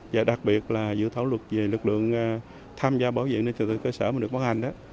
và đặc biệt là dự án luật về lực lượng tham gia bảo vệ an ninh trật tự cơ sở mà được ban hành